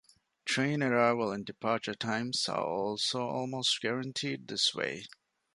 Train arrival and departure times are also almost guaranteed this way.